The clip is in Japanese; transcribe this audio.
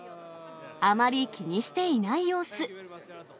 あまり気にしていない様子。